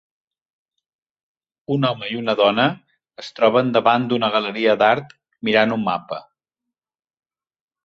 Un home i una dona es troben davant d'una galeria d'art, mirant un mapa.